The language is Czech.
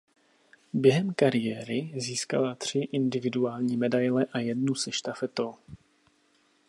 Během kariéry získala tři individuální medaile a jednu se štafetou.